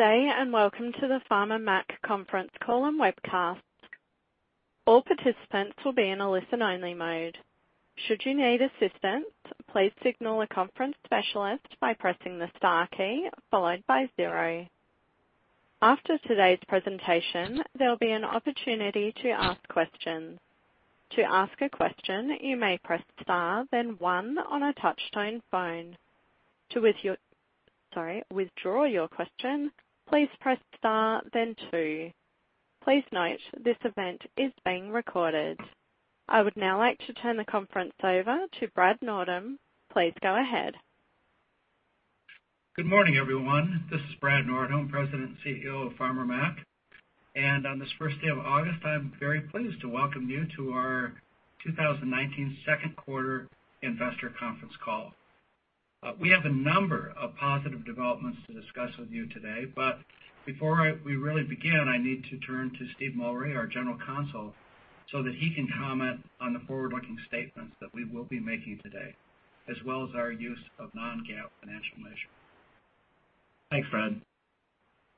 Day, and welcome to the Farmer Mac conference call and webcast. All participants will be in a listen-only mode. Should you need assistance, please signal a conference specialist by pressing the star key followed by zero. After today's presentation, there'll be an opportunity to ask questions. To ask a question, you may press star, then one on a touchtone phone. To withdraw your question, please press star then two. Please note, this event is being recorded. I would now like to turn the conference over to Brad Nordholm. Please go ahead. Good morning, everyone. This is Brad Nordholm, President and CEO of Farmer Mac. On this first day of August, I'm very pleased to welcome you to our 2019 second quarter investor conference call. We have a number of positive developments to discuss with you today, but before we really begin, I need to turn to Steve Mullery, our General Counsel, so that he can comment on the forward-looking statements that we will be making today, as well as our use of non-GAAP financial measures. Thanks, Brad.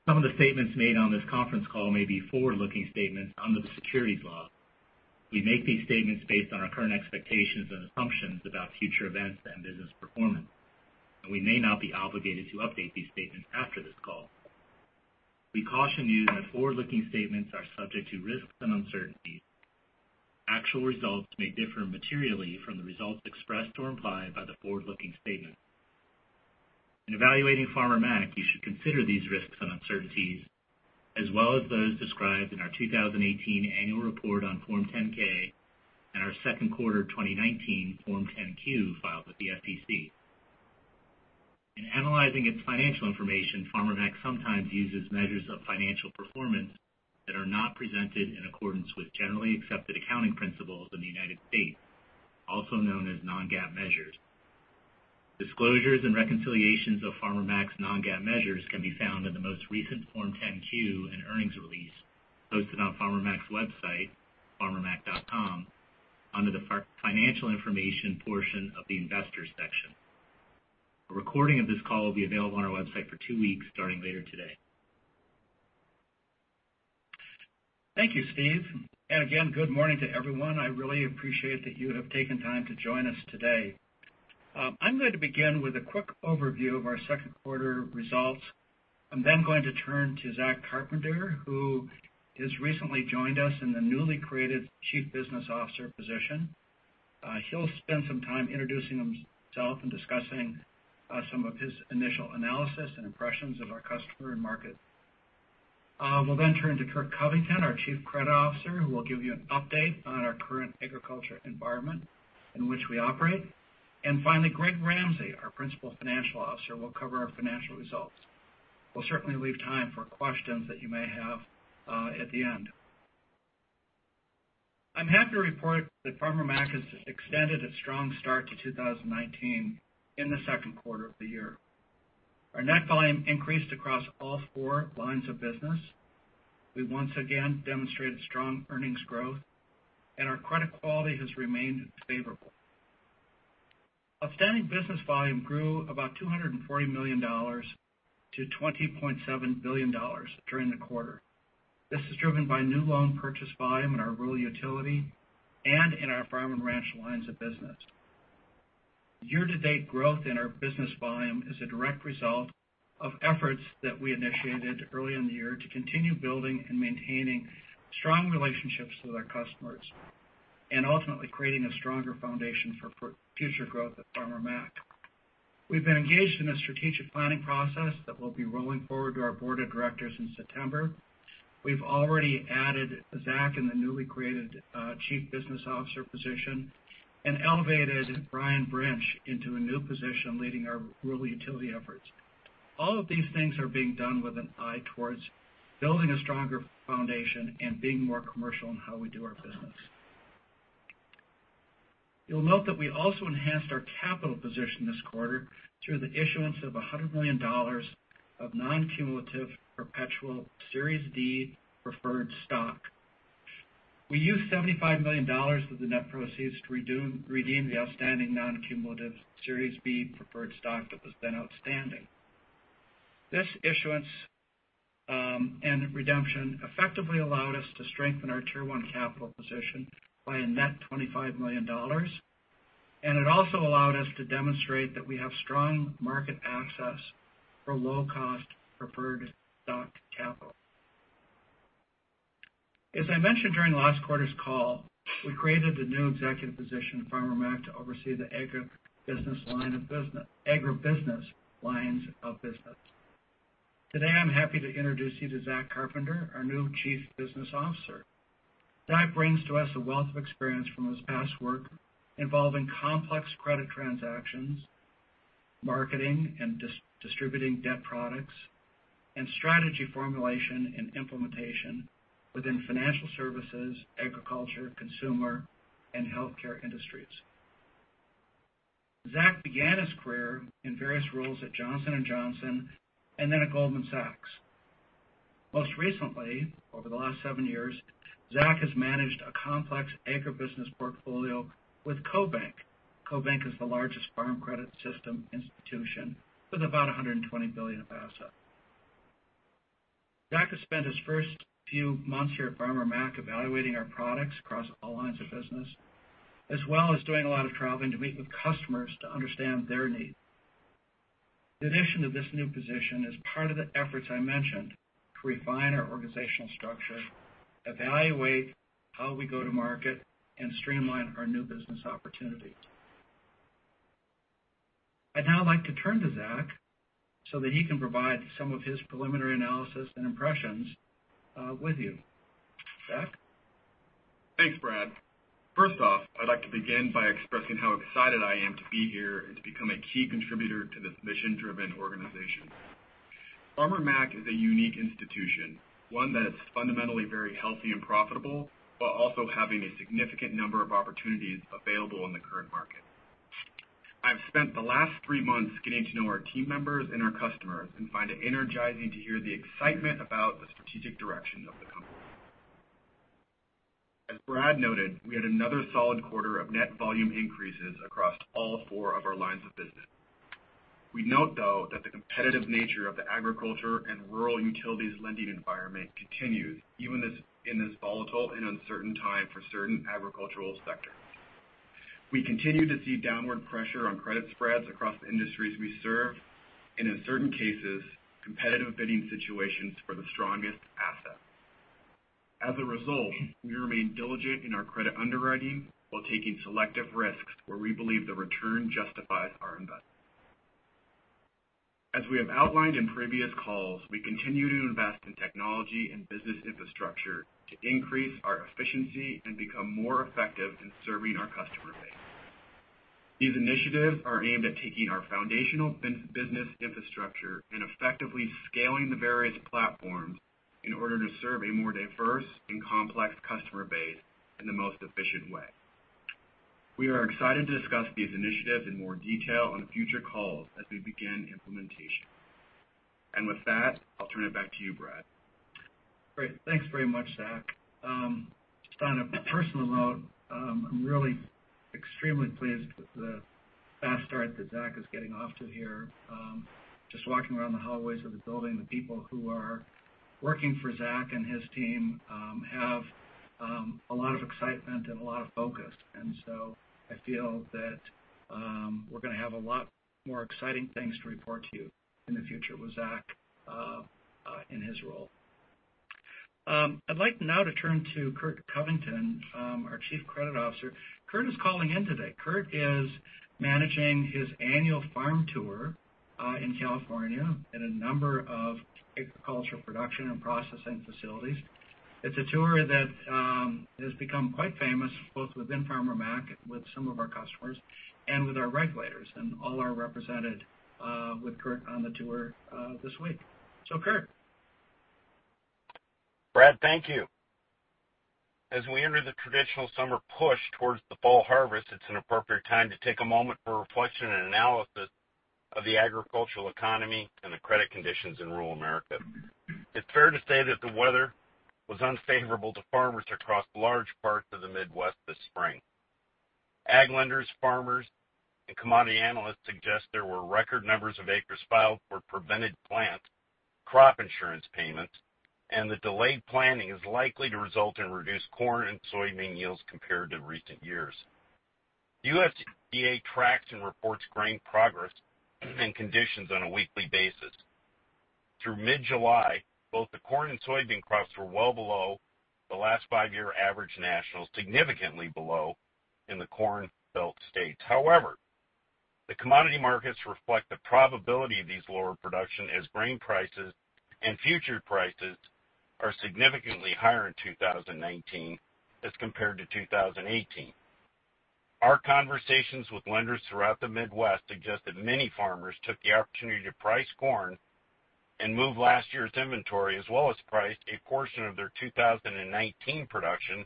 Some of the statements made on this conference call may be forward-looking statements under the securities law. We make these statements based on our current expectations and assumptions about future events and business performance, and we may not be obligated to update these statements after this call. We caution you that forward-looking statements are subject to risks and uncertainties. Actual results may differ materially from the results expressed or implied by the forward-looking statements. In evaluating Farmer Mac, you should consider these risks and uncertainties, as well as those described in our 2018 annual report on Form 10-K and our second quarter 2019 Form 10-Q filed with the SEC. In analyzing its financial information, Farmer Mac sometimes uses measures of financial performance that are not presented in accordance with Generally Accepted Accounting Principles in the United States, also known as non-GAAP measures. Disclosures and reconciliations of Farmer Mac's non-GAAP measures can be found in the most recent Form 10-Q and earnings release posted on Farmer Mac's website, farmermac.com, under the financial information portion of the investors section. A recording of this call will be available on our website for two weeks starting later today. Thank you, Steve. Again, good morning to everyone. I really appreciate that you have taken time to join us today. I'm going to begin with a quick overview of our second quarter results. I'm then going to turn to Zach Carpenter, who has recently joined us in the newly created Chief Business Officer position. He'll spend some time introducing himself and discussing some of his initial analysis and impressions of our customer and market. We'll then turn to Curt Covington, our Chief Credit Officer, who will give you an update on our current agriculture environment in which we operate. Finally, Greg Ramsey, our Principal Financial Officer, will cover our financial results. We'll certainly leave time for questions that you may have at the end. I'm happy to report that Farmer Mac has extended its strong start to 2019 in the second quarter of the year. Our net volume increased across all four lines of business. We once again demonstrated strong earnings growth, and our credit quality has remained favorable. Outstanding business volume grew about $240 million to $20.7 billion during the quarter. This is driven by new loan purchase volume in our rural utilities and in our farm and ranch lines of business. Year to date growth in our business volume is a direct result of efforts that we initiated early in the year to continue building and maintaining strong relationships with our customers and ultimately creating a stronger foundation for future growth at Farmer Mac. We've been engaged in a strategic planning process that we'll be rolling forward to our board of directors in September. We've already added Zach in the newly created Chief Business Officer position and elevated Brian Brinch into a new position leading our rural utilities efforts. All of these things are being done with an eye towards building a stronger foundation and being more commercial in how we do our business. You'll note that we also enhanced our capital position this quarter through the issuance of $100 million of non-cumulative perpetual Series D preferred stock. We used $75 million of the net proceeds to redeem the outstanding non-cumulative Series B preferred stock that was then outstanding. This issuance and redemption effectively allowed us to strengthen our Tier 1 capital position by a net $25 million. It also allowed us to demonstrate that we have strong market access for low-cost preferred stock capital. As I mentioned during last quarter's call, we created a new executive position at Farmer Mac to oversee the agribusiness lines of business. Today, I'm happy to introduce you to Zach Carpenter, our new Chief Business Officer. Zach brings to us a wealth of experience from his past work involving complex credit transactions, marketing, and distributing debt products, and strategy formulation and implementation within financial services, agriculture, consumer, and healthcare industries. Zach began his career in various roles at Johnson & Johnson and then at Goldman Sachs. Most recently, over the last 7 years, Zach has managed a complex agribusiness portfolio with CoBank. CoBank is the largest farm credit system institution with about $120 billion of assets. Zach has spent his first few months here at Farmer Mac evaluating our products across all lines of business, as well as doing a lot of traveling to meet with customers to understand their needs. The addition to this new position is part of the efforts I mentioned to refine our organizational structure, evaluate how we go to market, and streamline our new business opportunities. I'd now like to turn to Zach so that he can provide some of his preliminary analysis and impressions with you. Zach? Thanks, Brad. First off, I'd like to begin by expressing how excited I am to be here and to become a key contributor to this mission-driven organization. Farmer Mac is a unique institution, one that's fundamentally very healthy and profitable, while also having a significant number of opportunities available in the current market. I've spent the last three months getting to know our team members and our customers and find it energizing to hear the excitement about the strategic direction of the company. As Brad noted, we had another solid quarter of net volume increases across all four of our lines of business. We note, though, that the competitive nature of the agriculture and rural utilities lending environment continues, even in this volatile and uncertain time for certain agricultural sectors. We continue to see downward pressure on credit spreads across the industries we serve, and in certain cases, competitive bidding situations for the strongest assets. As a result, we remain diligent in our credit underwriting while taking selective risks where we believe the return justifies our investment. As we have outlined in previous calls, we continue to invest in technology and business infrastructure to increase our efficiency and become more effective in serving our customer base. These initiatives are aimed at taking our foundational business infrastructure and effectively scaling the various platforms in order to serve a more diverse and complex customer base in the most efficient way. We are excited to discuss these initiatives in more detail on future calls as we begin implementation. With that, I'll turn it back to you, Brad. Great. Thanks very much, Zach. On a personal note, I'm really extremely pleased with the fast start that Zach is getting off to here. Just walking around the hallways of the building, the people who are working for Zach and his team have a lot of excitement and a lot of focus. I feel that we're going to have a lot more exciting things to report to you in the future with Zach in his role. I'd like now to turn to Curt Covington, our Chief Credit Officer. Curt is calling in today. Curt is managing his annual farm tour in California at a number of agricultural production and processing facilities. It's a tour that has become quite famous, both within Farmer Mac, with some of our customers, and with our regulators, and all are represented with Curt on the tour this week. Curt. Brad, thank you. As we enter the traditional summer push towards the fall harvest, it's an appropriate time to take a moment for reflection and analysis of the agricultural economy and the credit conditions in rural America. It's fair to say that the weather was unfavorable to farmers across large parts of the Midwest this spring. Ag lenders, farmers, and commodity analysts suggest there were record numbers of acres filed for prevented plant crop insurance payments, and the delayed planning is likely to result in reduced corn and soybean yields compared to recent years. USDA tracks and reports grain progress and conditions on a weekly basis. Through mid-July, both the corn and soybean crops were well below the last five-year average national, significantly below in the Corn Belt states. However, the commodity markets reflect the probability of these lower production as grain prices and future prices are significantly higher in 2019 as compared to 2018. Our conversations with lenders throughout the Midwest suggest that many farmers took the opportunity to price corn and move last year's inventory, as well as priced a portion of their 2019 production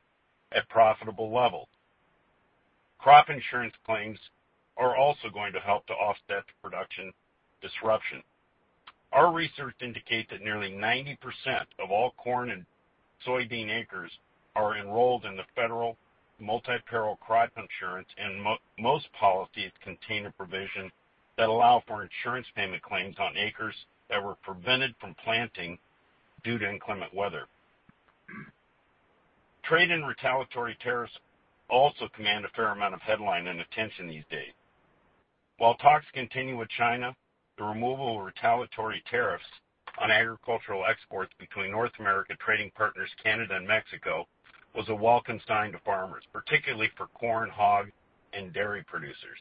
at profitable levels. Crop insurance claims are also going to help to offset the production disruption. Our research indicates that nearly 90% of all corn and soybean acres are enrolled in the federal multi-peril crop insurance, and most policies contain a provision that allow for insurance payment claims on acres that were prevented from planting due to inclement weather. Trade and retaliatory tariffs also command a fair amount of headline and attention these days. While talks continue with China, the removal of retaliatory tariffs on agricultural exports between North America trading partners Canada and Mexico was a welcome sign to farmers, particularly for corn, hog, and dairy producers.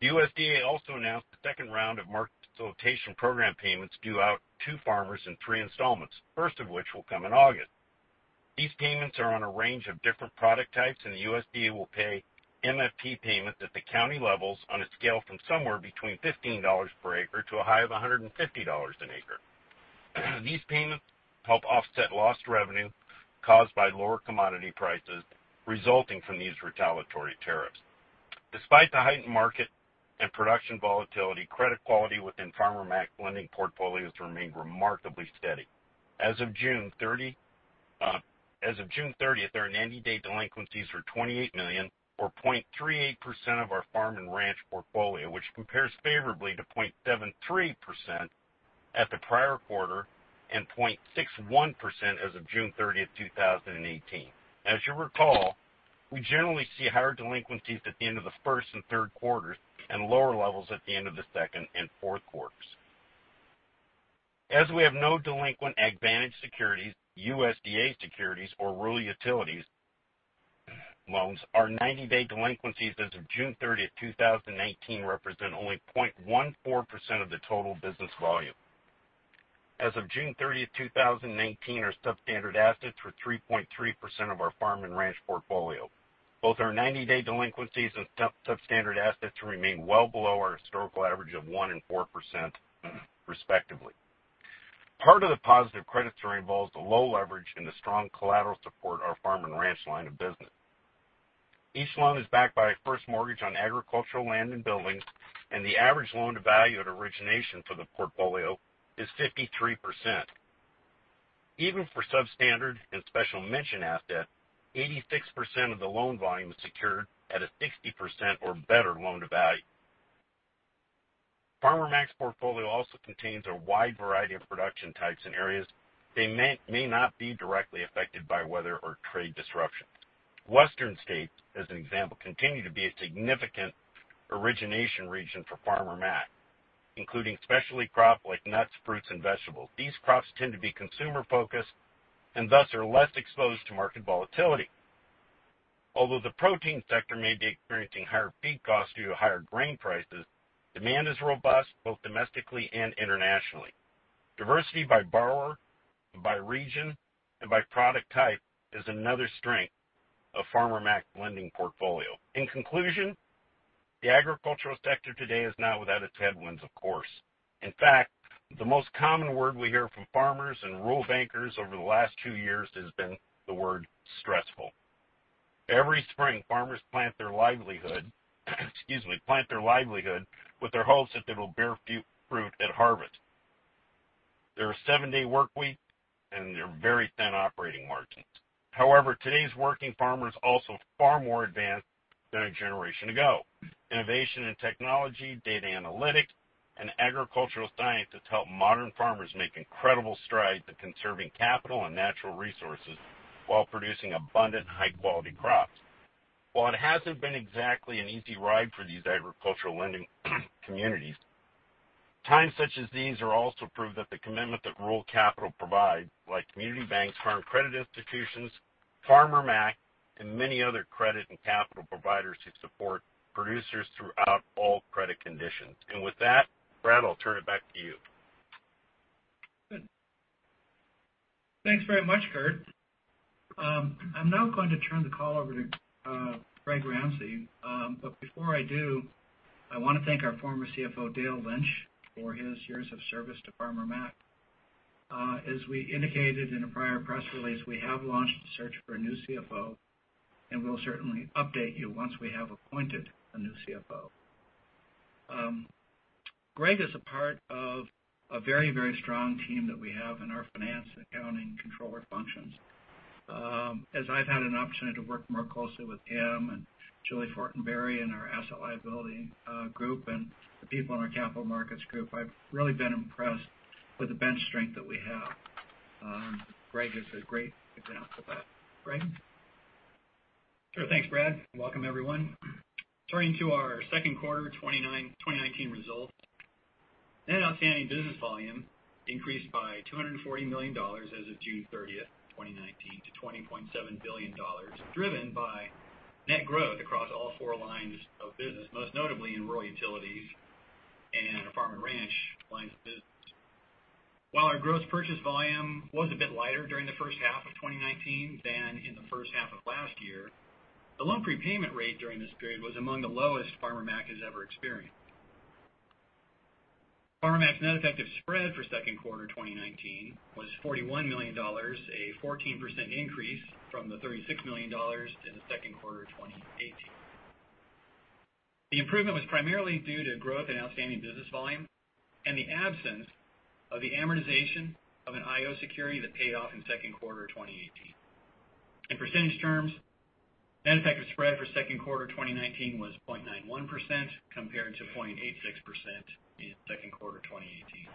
The USDA also announced the second round of Market Facilitation Program payments due out to farmers in 3 installments, first of which will come in August. These payments are on a range of different product types, and the USDA will pay MFP payments at the county levels on a scale from somewhere between $15 per acre to a high of $150 an acre. These payments help offset lost revenue caused by lower commodity prices resulting from these retaliatory tariffs. Despite the heightened market and production volatility, credit quality within Farmer Mac lending portfolios remained remarkably steady. As of June 30th, our 90-day delinquencies were $28 million, or 0.38% of our farm and ranch portfolio, which compares favorably to 0.73% at the prior quarter and 0.61% as of June 30th, 2018. As you recall, we generally see higher delinquencies at the end of the first and third quarters and lower levels at the end of the second and fourth quarters. As we have no delinquent AgVantage securities, USDA securities, or rural utilities loans, our 90-day delinquencies as of June 30th, 2019 represent only 0.14% of the total business volume. As of June 30th, 2019, our substandard assets were 3.3% of our farm and ranch portfolio. Both our 90-day delinquencies and substandard assets remain well below our historical average of 1% and 4%, respectively. Part of the positive credit story involves the low leverage and the strong collateral support our farm and ranch line of business. Each loan is backed by a first mortgage on agricultural land and buildings, and the average loan-to-value at origination for the portfolio is 53%. Even for substandard and special mention assets, 86% of the loan volume is secured at a 60% or better loan-to-value. Farmer Mac's portfolio also contains a wide variety of production types in areas that may not be directly affected by weather or trade disruptions. Western states, as an example, continue to be a significant origination region for Farmer Mac, including specialty crops like nuts, fruits, and vegetables. These crops tend to be consumer-focused and thus are less exposed to market volatility. Although the protein sector may be experiencing higher feed costs due to higher grain prices, demand is robust both domestically and internationally. Diversity by borrower, by region, and by product type is another strength of Farmer Mac's lending portfolio. In conclusion, the agricultural sector today is not without its headwinds, of course. In fact, the most common word we hear from farmers and rural bankers over the last two years has been the word stressful. Every spring, farmers plant their livelihood with their hopes that it'll bear fruit at harvest. There are seven-day workweeks, and there are very thin operating margins. However, today's working farmer is also far more advanced than a generation ago. Innovation in technology, data analytics, and agricultural science has helped modern farmers make incredible strides in conserving capital and natural resources while producing abundant, high-quality crops. While it hasn't been exactly an easy ride for these agricultural lending communities, times such as these also prove the commitment that rural capital provides, like community banks, farm credit institutions, Farmer Mac, and many other credit and capital providers who support producers throughout all credit conditions. With that, Brad, I'll turn it back to you. Good. Thanks very much, Curt. I'm now going to turn the call over to Greg Ramsey. Before I do, I want to thank our former CFO, Dale Lynch, for his years of service to Farmer Mac. As we indicated in a prior press release, we have launched the search for a new CFO, and we'll certainly update you once we have appointed a new CFO. Greg is a part of a very strong team that we have in our finance, accounting, controller functions. As I've had an opportunity to work more closely with him and Julie Fortenberry in our asset liability group and the people in our capital markets group, I've really been impressed with the bench strength that we have. Greg is a great example of that. Greg? Sure. Thanks, Brad, and welcome everyone. Turning to our second quarter 2019 results. Net outstanding business volume increased by $240 million as of June 30th, 2019 to $20.7 billion, driven by net growth across all four lines of business, most notably in rural utilities and the farm and ranch lines of business. While our gross purchase volume was a bit lighter during the first half of 2019 than in the first half of last year, the loan prepayment rate during this period was among the lowest Farmer Mac has ever experienced. Farmer Mac's net effective spread for second quarter 2019 was $41 million, a 14% increase from the $36 million in the second quarter of 2018. The improvement was primarily due to growth in outstanding business volume and the absence of the amortization of an IO security that paid off in second quarter of 2018. In percentage terms, net effective spread for second quarter 2019 was 0.91% compared to 0.86% in second quarter 2018.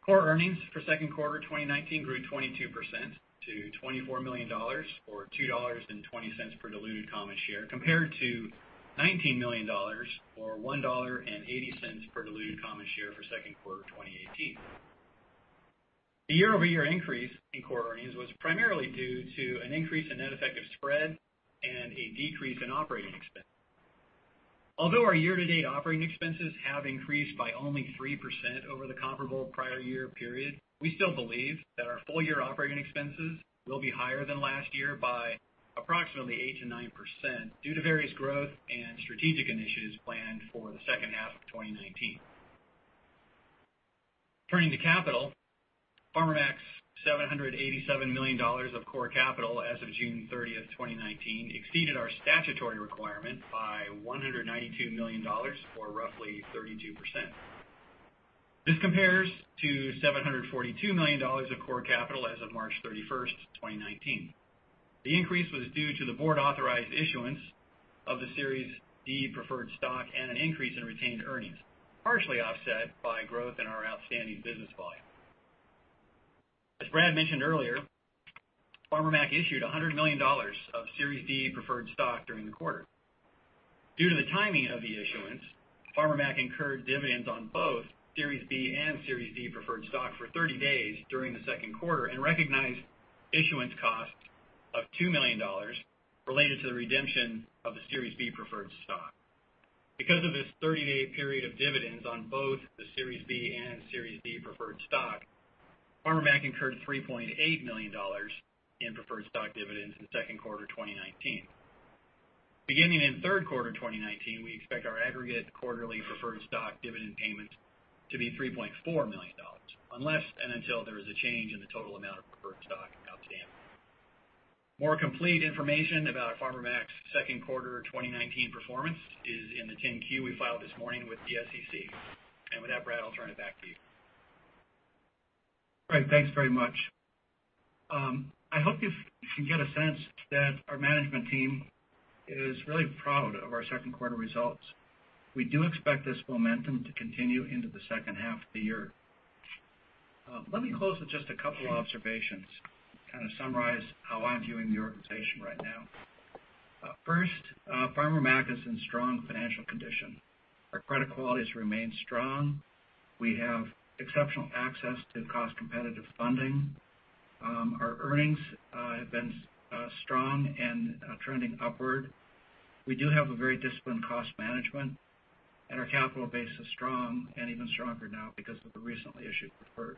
Core earnings for second quarter 2019 grew 22% to $24 million, or $2.20 per diluted common share, compared to $19 million, or $1.80 per diluted common share for second quarter 2018. The year-over-year increase in core earnings was primarily due to an increase in net effective spread and a decrease in operating expense. Although our year-to-date operating expenses have increased by only 3% over the comparable prior year period, we still believe that our full-year operating expenses will be higher than last year by approximately 8%-9% due to various growth and strategic initiatives planned for the second half of 2019. Turning to capital, Farmer Mac's $787 million of core capital as of June 30th, 2019 exceeded our statutory requirement by $192 million, or roughly 32%. This compares to $742 million of core capital as of March 31st, 2019. The increase was due to the board-authorized issuance of the Series D preferred stock and an increase in retained earnings, partially offset by growth in our outstanding business volume. As Brad mentioned earlier, Farmer Mac issued $100 million of Series D preferred stock during the quarter. Due to the timing of the issuance, Farmer Mac incurred dividends on both Series B preferred stock and Series D preferred stock for 30 days during the second quarter and recognized issuance costs of $2 million related to the redemption of the Series B preferred stock. Because of this 30-day period of dividends on both the Series B preferred stock and Series D preferred stock, Farmer Mac incurred $3.8 million in preferred stock dividends in second quarter 2019. Beginning in third quarter 2019, we expect our aggregate quarterly preferred stock dividend payments to be $3.4 million, unless and until there is a change in the total amount of preferred stock outstanding. More complete information about Farmer Mac's second quarter 2019 performance is in the 10-Q we filed this morning with the SEC. With that, Brad, I'll turn it back to you. Great. Thanks very much. I hope you can get a sense that our management team is really proud of our second quarter results. We do expect this momentum to continue into the second half of the year. Let me close with just a couple observations to kind of summarize how I'm viewing the organization right now. First, Farmer Mac is in strong financial condition. Our credit quality has remained strong. We have exceptional access to cost competitive funding. Our earnings have been strong and trending upward. We do have a very disciplined cost management, and our capital base is strong and even stronger now because of the recently issued preferred.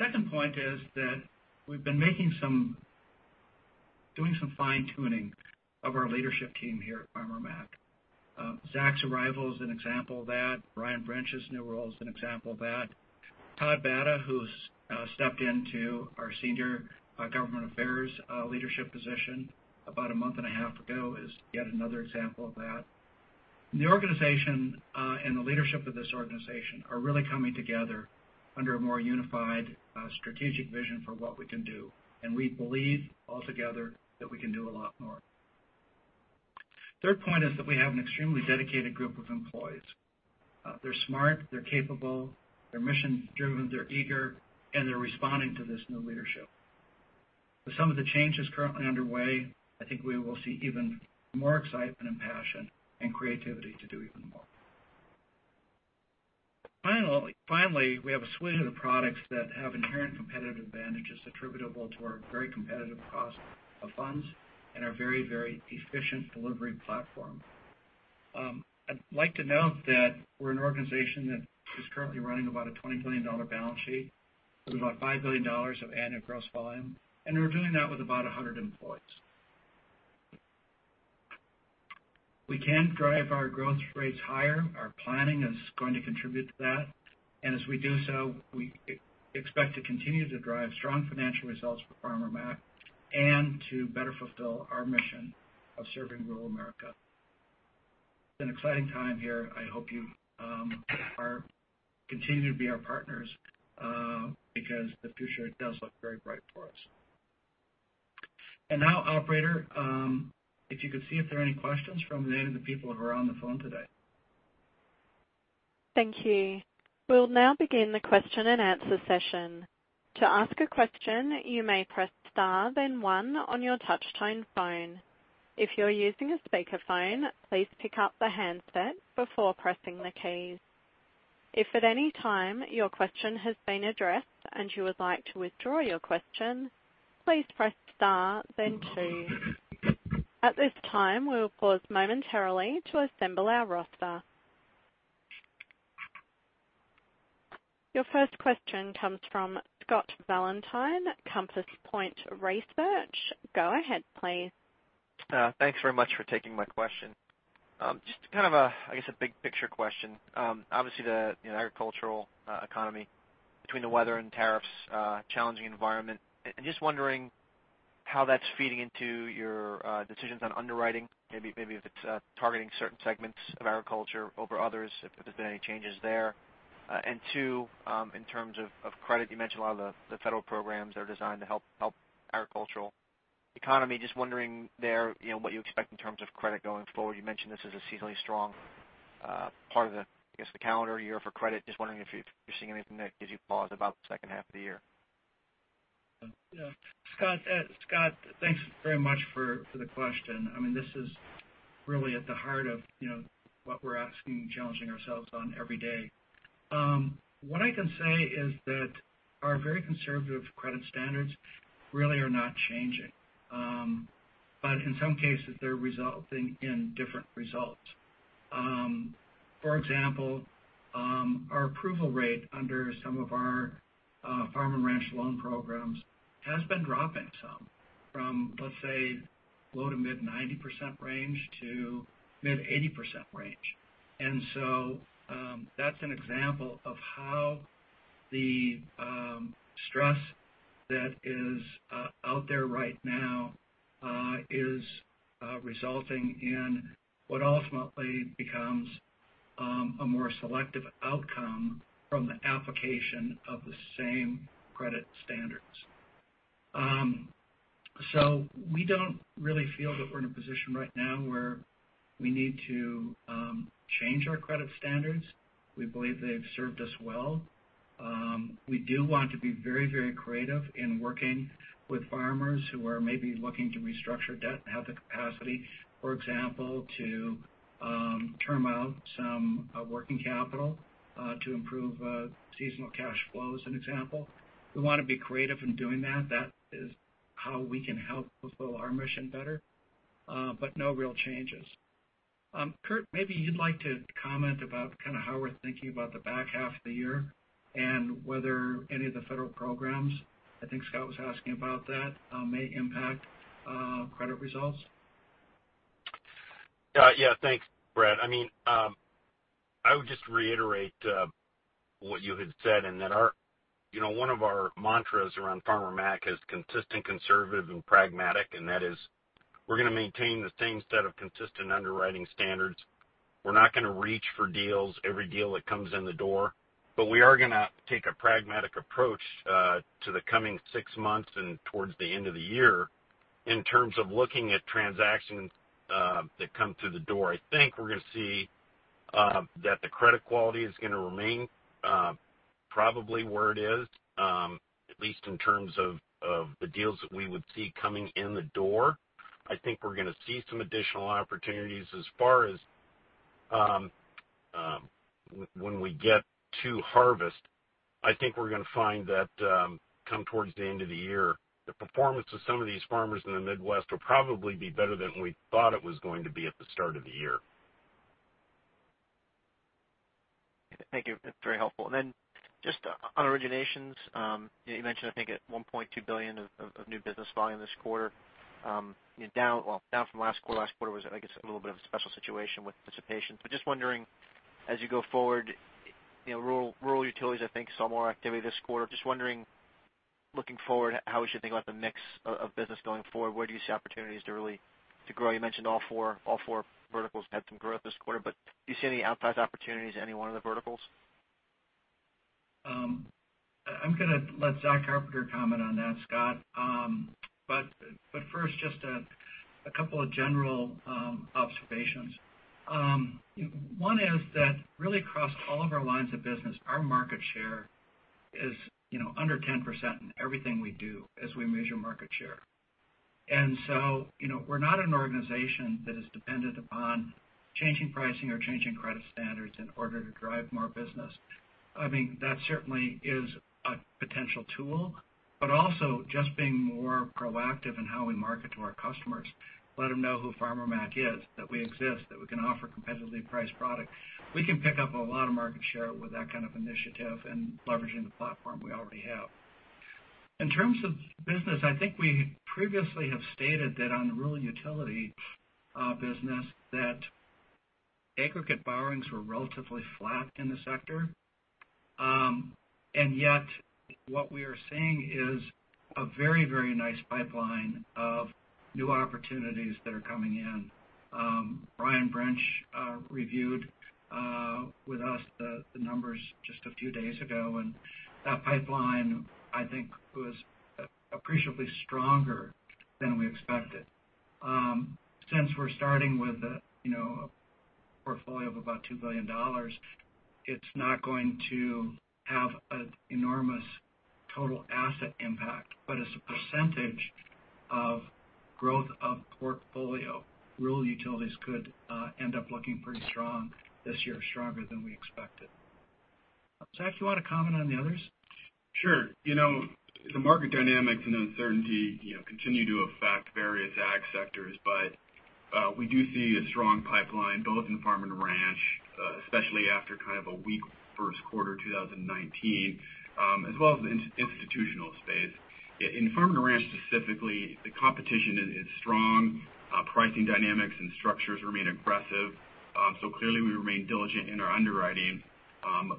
Second point is that we've been doing some fine-tuning of our leadership team here at Farmer Mac. Zach's arrival is an example of that. Brian Brinch's new role is an example of that. Todd Batta, who's stepped into our senior Government Affairs leadership position about a month and a half ago, is yet another example of that. The organization, and the leadership of this organization are really coming together under a more unified strategic vision for what we can do, and we believe altogether that we can do a lot more. Third point is that we have an extremely dedicated group of employees. They're smart, they're capable, they're mission driven, they're eager, and they're responding to this new leadership. With some of the changes currently underway, I think we will see even more excitement and passion and creativity to do even more. Finally, we have a suite of products that have inherent competitive advantages attributable to our very competitive cost of funds and our very, very efficient delivery platform. I'd like to note that we're an organization that is currently running about a $20 billion balance sheet with about $5 billion of annual gross volume, and we're doing that with about 100 employees. We can drive our growth rates higher. Our planning is going to contribute to that, and as we do so, we expect to continue to drive strong financial results for Farmer Mac and to better fulfill our mission of serving rural America. It's an exciting time here. I hope you continue to be our partners, because the future does look very bright for us. Operator, if you could see if there are any questions from any of the people who are on the phone today. Thank you. We'll now begin the question and answer session. To ask a question, you may press star then 1 on your touchtone phone. If you're using a speakerphone, please pick up the handset before pressing the keys. If at any time your question has been addressed and you would like to withdraw your question, please press star then 2. At this time, we will pause momentarily to assemble our roster. Your first question comes from Scott Valentine, Compass Point Research. Go ahead, please. Thanks very much for taking my question. Just kind of a big picture question. Obviously, the agricultural economy between the weather and tariffs, challenging environment. Just wondering how that's feeding into your decisions on underwriting. Maybe if it's targeting certain segments of agriculture over others, if there's been any changes there. Two, in terms of credit, you mentioned a lot of the federal programs are designed to help agricultural economy. Just wondering there, what you expect in terms of credit going forward. You mentioned this is a seasonally strong part of the calendar year for credit. Just wondering if you're seeing anything that gives you pause about the second half of the year. Yeah. Scott, thanks very much for the question. This is really at the heart of what we're asking and challenging ourselves on every day. What I can say is that our very conservative credit standards really are not changing. In some cases, they're resulting in different results. For example, our approval rate under some of our farm and ranch loan programs has been dropping some. From, let's say, low to mid 90% range to mid 80% range. That's an example of how the stress that is out there right now is resulting in what ultimately becomes a more selective outcome from the application of the same credit standards. We don't really feel that we're in a position right now where we need to change our credit standards. We believe they've served us well. We do want to be very creative in working with farmers who are maybe looking to restructure debt and have the capacity, for example, to term out some working capital, to improve seasonal cash flow, as an example. We want to be creative in doing that. That is how we can help fulfill our mission better. No real changes. Curt, maybe you'd like to comment about how we're thinking about the back half of the year and whether any of the federal programs, I think Scott was asking about that, may impact credit results. Thanks, Brad. I would just reiterate what you had said. That one of our mantras around Farmer Mac is consistent, conservative, and pragmatic, and that is we're going to maintain the same set of consistent underwriting standards. We're not going to reach for deals every deal that comes in the door. We are going to take a pragmatic approach to the coming six months and towards the end of the year in terms of looking at transactions that come through the door. I think we're going to see that the credit quality is going to remain probably where it is, at least in terms of the deals that we would see coming in the door. I think we're going to see some additional opportunities as far as when we get to harvest. I think we're going to find that come towards the end of the year, the performance of some of these farmers in the Midwest will probably be better than we thought it was going to be at the start of the year. Thank you. That's very helpful. Just on originations, you mentioned, I think, $1.2 billion of new business volume this quarter. Down from last quarter. Last quarter was, I guess, a little bit of a special situation with participation. Just wondering, as you go forward, rural utilities, I think, saw more activity this quarter. Just wondering, looking forward, how we should think about the mix of business going forward. Where do you see opportunities to really grow? You mentioned all four verticals have had some growth this quarter, but do you see any outsized opportunities in any one of the verticals? I'm going to let Zach Carpenter comment on that, Scott. First, just a couple of general observations. One is that really across all of our lines of business, our market share is under 10% in everything we do as we measure market share. We're not an organization that is dependent upon changing pricing or changing credit standards in order to drive more business. That certainly is a potential tool, but also just being more proactive in how we market to our customers, let them know who Farmer Mac is, that we exist, that we can offer competitively priced product. We can pick up a lot of market share with that kind of initiative and leveraging the platform we already have. In terms of business, I think we previously have stated that on the rural utility business, that aggregate borrowings were relatively flat in the sector. Yet, what we are seeing is a very nice pipeline of new opportunities that are coming in. Brian Brinch reviewed with us the numbers just a few days ago, and that pipeline, I think, was appreciably stronger than we expected. Since we're starting with a portfolio of about $2 billion, it's not going to have an enormous total asset impact, but as a percentage of growth of portfolio, rural utilities could end up looking pretty strong this year, stronger than we expected. Zach, you want to comment on the others? Sure. The market dynamics and uncertainty continue to affect various ag sectors, but we do see a strong pipeline, both in farm and ranch, especially after kind of a weak first quarter 2019, as well as in institutional space. In farm and ranch specifically, the competition is strong. Pricing dynamics and structures remain aggressive. Clearly we remain diligent in our underwriting,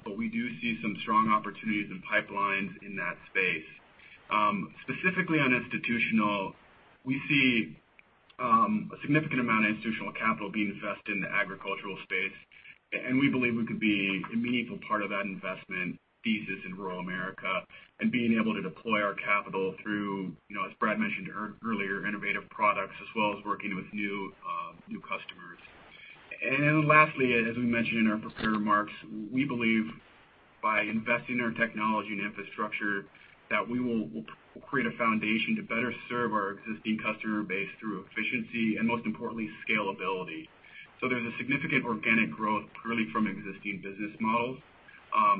but we do see some strong opportunities and pipelines in that space. Specifically on institutional, we see a significant amount of institutional capital being invested in the agricultural space, and we believe we could be a meaningful part of that investment thesis in rural America and being able to deploy our capital through, as Brad mentioned earlier, innovative products as well as working with new customers. Lastly, as we mentioned in our prepared remarks, we believe by investing in our technology and infrastructure, that we will create a foundation to better serve our existing customer base through efficiency and most importantly, scalability. So there's a significant organic growth really from existing business models,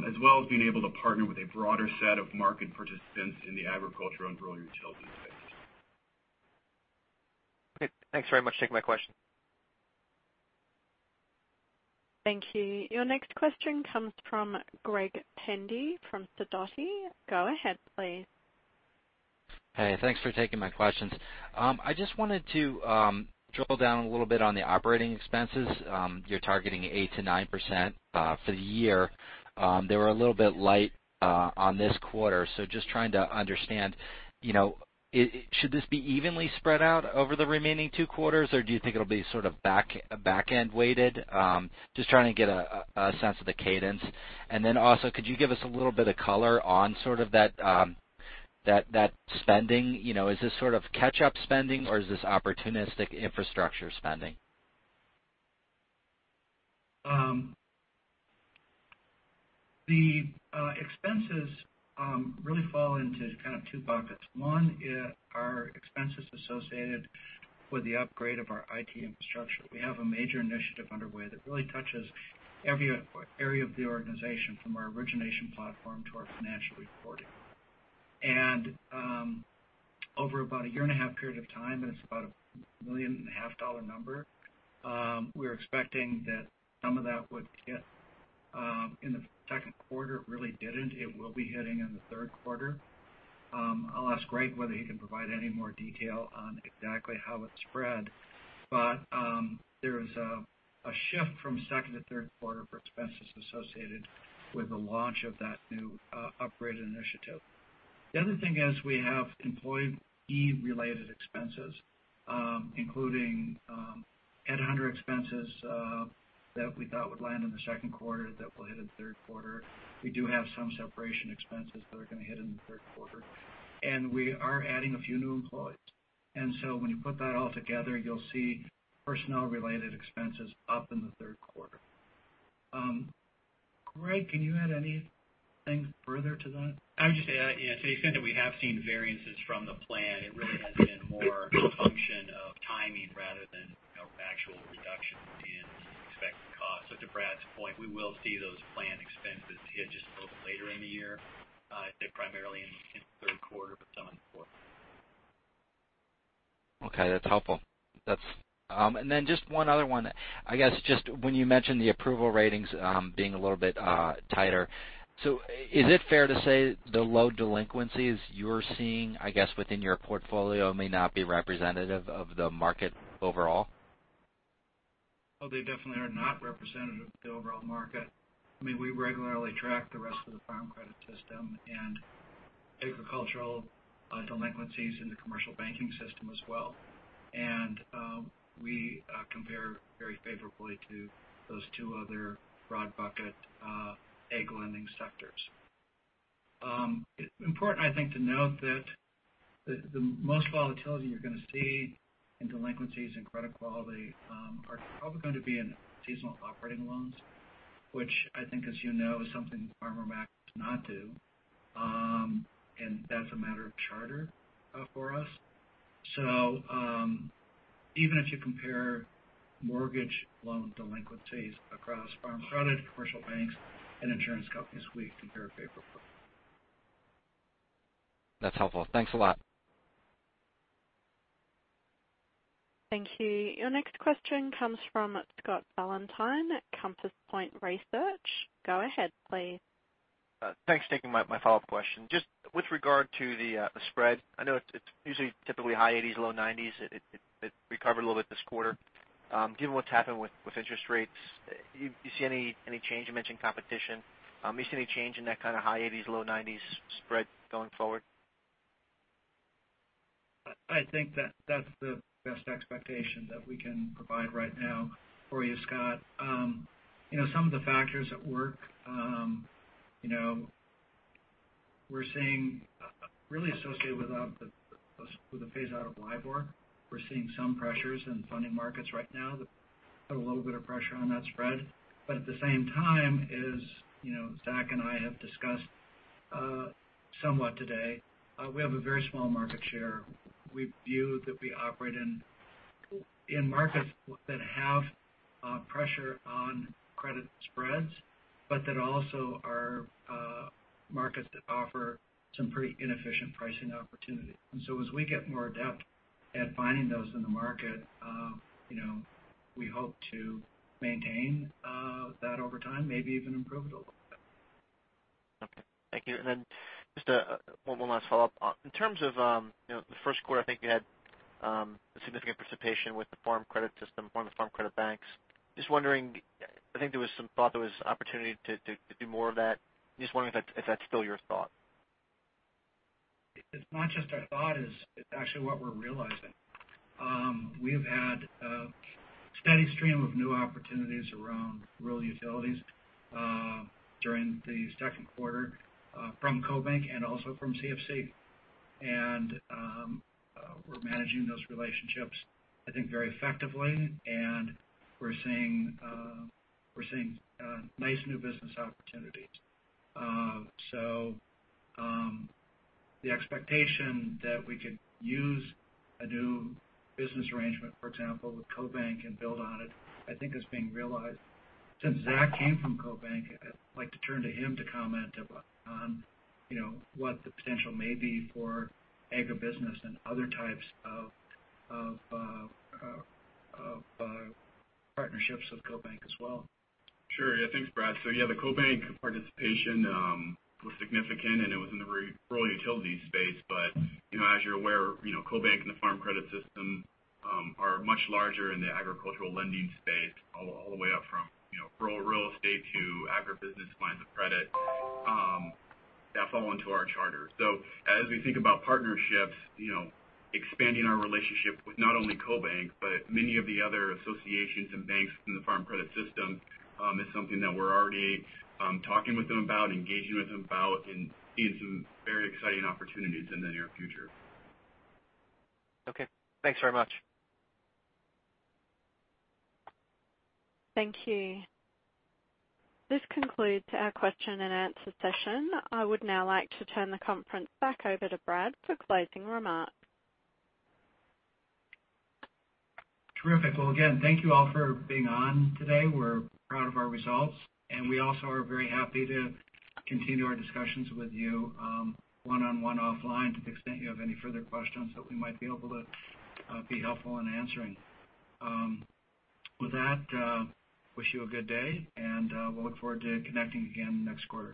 as well as being able to partner with a broader set of market participants in the agriculture and Rural Utilities space. Okay, thanks very much. Take my question. Thank you. Your next question comes from Greg Pendy from Sidoti. Go ahead, please. Hey, thanks for taking my questions. I just wanted to drill down a little bit on the operating expenses. You're targeting 8%-9% for the year. They were a little bit light on this quarter. Just trying to understand, should this be evenly spread out over the remaining two quarters, or do you think it'll be sort of back-end weighted? Just trying to get a sense of the cadence. Also, could you give us a little bit of color on that spending? Is this sort of catch-up spending, or is this opportunistic infrastructure spending? The expenses really fall into kind of two buckets. One are expenses associated with the upgrade of our IT infrastructure. We have a major initiative underway that really touches every area of the organization, from our origination platform to our financial reporting. Over about a year-and-a-half period of time, it's about $1.5 million number, we were expecting that some of that would hit in the second quarter. It really didn't. It will be hitting in the third quarter. I'll ask Greg whether he can provide any more detail on exactly how it's spread. There's a shift from second to third quarter for expenses associated with the launch of that new upgrade initiative. The other thing is we have employee-related expenses, including headhunter expenses that we thought would land in the second quarter that will hit in the third quarter. We do have some separation expenses that are going to hit in the third quarter. We are adding a few new employees. When you put that all together, you'll see personnel-related expenses up in the third quarter. Greg, can you add anything further to that? I would just add, to the extent that we have seen variances from the plan, it really has been more a function of timing rather than actual reduction in expected costs. To Brad's point, we will see those planned expenses hit just a little bit later in the year, hit primarily in the third quarter, but some in the fourth. Okay, that's helpful. Just one other one. I guess, when you mentioned the approval ratings being a little bit tighter, is it fair to say the low delinquencies you're seeing, I guess, within your portfolio may not be representative of the market overall? Oh, they definitely are not representative of the overall market. We regularly track the rest of the farm credit system and agricultural delinquencies in the commercial banking system as well, and we compare very favorably to those two other broad bucket ag lending sectors. It's important, I think, to note that the most volatility you're going to see in delinquencies and credit quality are probably going to be in seasonal operating loans, which I think, as you know, is something Farmer Mac does not do. That's a matter of charter for us. Even if you compare mortgage loan delinquencies across farm credit, commercial banks, and insurance companies, we compare favorably. That's helpful. Thanks a lot. Thank you. Your next question comes from Scott Valentine at Compass Point Research. Go ahead, please. Thanks for taking my follow-up question. Just with regard to the spread, I know it's usually typically high 80s, low 90s. It recovered a little bit this quarter. Given what's happened with interest rates, do you see any change? You mentioned competition. Do you see any change in that kind of high 80s, low 90s spread going forward? I think that's the best expectation that we can provide right now for you, Scott. Some of the factors at work, we're seeing really associated with the phase-out of LIBOR. We're seeing some pressures in funding markets right now that put a little bit of pressure on that spread. At the same time as Zach and I have discussed somewhat today, we have a very small market share. We view that we operate in markets that have pressure on credit spreads, but that also are markets that offer some pretty inefficient pricing opportunities. As we get more adept at finding those in the market, we hope to maintain that over time, maybe even improve it a little bit. Okay. Thank you. Then just one last follow-up. In terms of the first quarter, I think you had a significant participation with the Farm Credit System, one of the Farm Credit banks. I think there was some thought there was opportunity to do more of that. Just wondering if that's still your thought? It's not just our thought, it's actually what we're realizing. We have had a steady stream of new opportunities around rural utilities during the second quarter from CoBank and also from CFC. We're managing those relationships, I think, very effectively, and we're seeing nice new business opportunities. The expectation that we could use a new business arrangement, for example, with CoBank and build on it, I think is being realized. Since Zach came from CoBank, I'd like to turn to him to comment on what the potential may be for agribusiness and other types of partnerships with CoBank as well. Sure. Yeah, thanks, Brad. Yeah, the CoBank participation was significant, and it was in the rural utility space. As you're aware, CoBank and the Farm Credit System are much larger in the agricultural lending space, all the way up from rural real estate to agribusiness lines of credit that fall into our charter. As we think about partnerships, expanding our relationship with not only CoBank, but many of the other associations and banks in the Farm Credit System is something that we're already talking with them about, engaging with them about, and seeing some very exciting opportunities in the near future. Okay. Thanks very much. Thank you. This concludes our question and answer session. I would now like to turn the conference back over to Brad for closing remarks. Terrific. Well, again, thank you all for being on today. We're proud of our results, and we also are very happy to continue our discussions with you one-on-one offline to the extent you have any further questions that we might be able to be helpful in answering. With that, wish you a good day, and we'll look forward to connecting again next quarter.